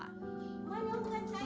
tapi bisa dikameran